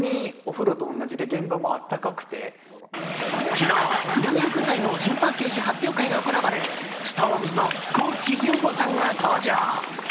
昨日、入浴剤の新パッケージ発表会が行われＳｉｘＴＯＮＥＳの高地優吾さんが登場。